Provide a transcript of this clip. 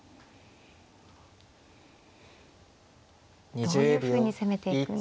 どういうふうに攻めていくんですかね。